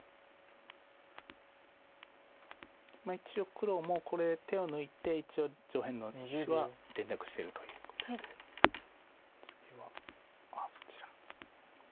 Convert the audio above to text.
一応黒もこれ手を抜いて上辺の白は連絡してるということで次はああそちら。